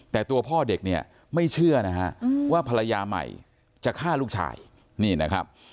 แต่ตัวพ่อเด็กเนี่ยไม่เชื่อนะฮะว่าภรรยาใหม่จะฆ่าลูกชายนี่นะครับ